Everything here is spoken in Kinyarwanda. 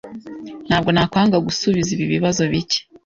Ntabwo nakwanga gusubiza ibibazo bike.